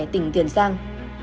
tỉnh tiền giang